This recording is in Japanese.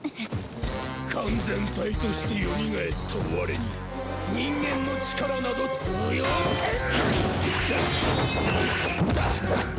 完全体としてよみがえった我に人間の力など通用せん！